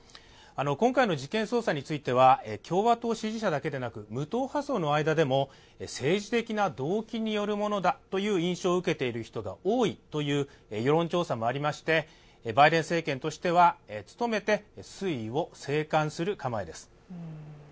今回の事件捜査については共和党支持者だけではなく無党派層の間でも政治的な動機によるものだという印象を受けている人が多いという世論調査もありましてバイデン政権としては努めて推移を静観する構えです。